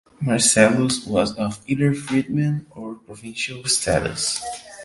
Marcellus was of either freedman or provincial status.